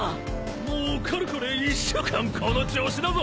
もうかれこれ１週間この調子だぞ。